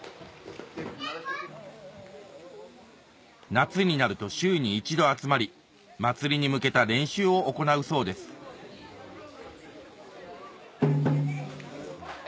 夏になると週に１度集まり祭りに向けた練習を行うそうですえ